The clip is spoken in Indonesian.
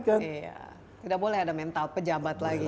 iya tidak boleh ada mental pejabat lagi